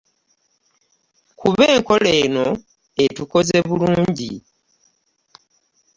Kuba enkola eno etukoze obulungi